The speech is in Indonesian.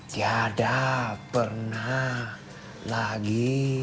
tiada pernah lagi